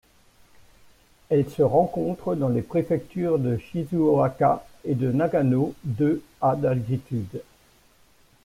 Elle se rencontre dans les préfectures de Shizuoka et de Nagano de à d'altitude.